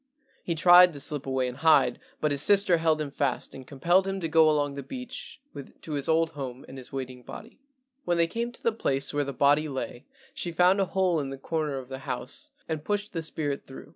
He tried to slip away and hide, but his sister held him fast and compelled him to go along the beach to his old home and his waiting body. When they came to the place where the body lay she found a hole in the corner of the house and pushed the spirit through.